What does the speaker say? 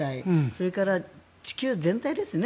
それから地球全体ですね